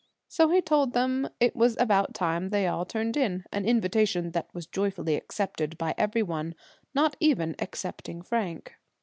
So he told them it was about time they all turned in, an invitation that was joyfully accepted by every one, not even excepting Frank.